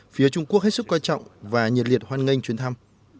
phía trung quốc hết sức quan trọng và nhiệt liệt hoan nghênh chuyến thăm